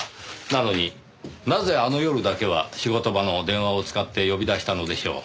なのになぜあの夜だけは仕事場の電話を使って呼び出したのでしょう。